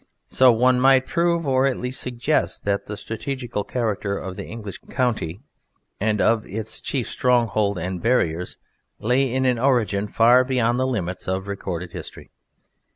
So one might prove or at least suggest that the strategical character of the English county and of its chief stronghold and barriers lay in an origin far beyond the limits of recorded history.